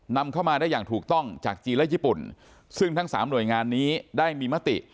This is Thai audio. นำเข้ามาได้อย่างถูกต้องจากจีนและญี่ปุ่นซึ่งทั้งสามหน่วยงานนี้ได้มีมติ